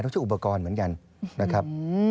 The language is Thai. ใช้อุปกรณ์เหมือนกันนะครับ